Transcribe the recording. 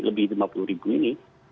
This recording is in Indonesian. lebih lima puluh ribu ini